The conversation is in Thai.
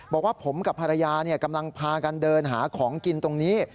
บอกว่าผมกับภรรยากำลังพากันเดินหาของกินตรงนี้